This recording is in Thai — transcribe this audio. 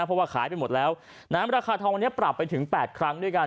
เพราะว่าขายไปหมดแล้วน้ำราคาทองวันนี้ปรับไปถึง๘ครั้งด้วยกัน